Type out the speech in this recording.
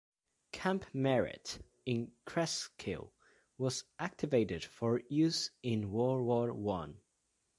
Camp Merritt, in Cresskill, was activated for use in World War One.